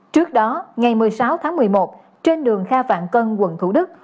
trước đó ngày một mươi sáu tháng một mươi một trên đường kha vạn cân quận thủ đức